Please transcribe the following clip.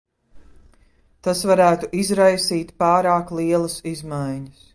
Tas varētu izraisīt pārāk lielas izmaiņas.